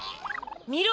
みろ！